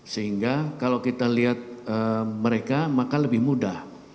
sehingga kalau kita lihat mereka maka lebih mudah